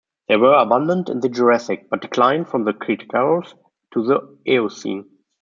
They were abundant in the Jurassic, but declined from the Cretaceous to the Eocene.